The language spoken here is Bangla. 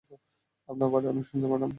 আপনার বাড়ি অনেক সুন্দর, ম্যাডাম।